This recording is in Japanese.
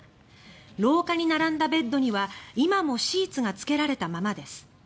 廊下に並んだベッドには、今もシーツがつけられたままです。